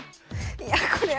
いやこれ。